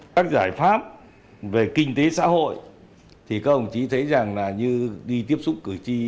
các giải pháp về kinh tế xã hội thì các ông chí thấy rằng là như đi tiếp xúc cử tri